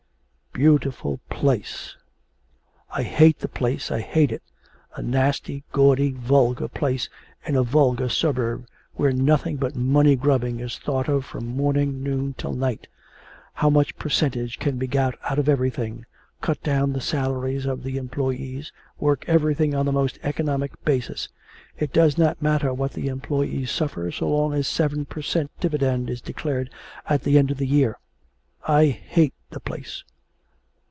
'Beautiful place! I hate the place; I hate it a nasty, gaudy, vulgar place, in a vulgar suburb, where nothing but money grubbing is thought of from morning, noon, till night; how much percentage can be got out of everything; cut down the salaries of the employees; work everything on the most economic basis; it does not matter what the employees suffer so long as seven per cent. dividend is declared at the end of the year. I hate the place.'